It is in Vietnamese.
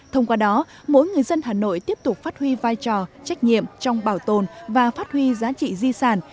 thông qua đó mỗi người dân hà nội tiếp tục phát huy vai trò trách nhiệm trong bảo tồn và phát huy giá trị di sản